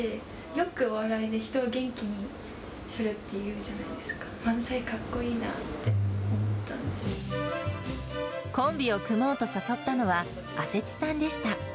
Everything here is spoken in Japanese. よくお笑いで人を元気にするっていうじゃないですか、漫才かっこコンビを組もうと誘ったのは阿世知さんでした。